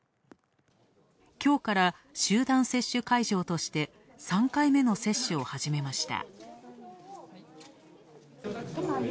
きょうから、集団接種会場として３回目の接種を始めました。